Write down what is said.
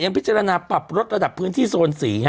อย่างพิจารณาปรับรถระดับพื้นที่โซนสี่